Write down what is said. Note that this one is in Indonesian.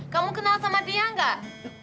kamu kenal sama dia nggak